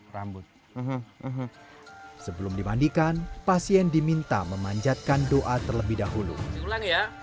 rambut sebelum dimandikan pasien diminta memanjatkan doa terlebih dahulu ulang ya